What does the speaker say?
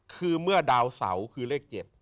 คือเมื่อดาวเสาคือเลข๗